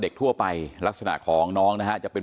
เป็นมีดปลายแหลมยาวประมาณ๑ฟุตนะฮะที่ใช้ก่อเหตุ